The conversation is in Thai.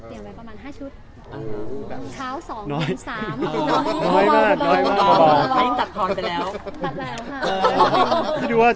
เตรียมแล้วค่ะก็น่าจะใกล้แล้ว